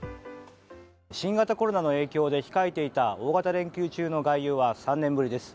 新型コロナの影響で控えていた大型連休中の外遊は３年ぶりです。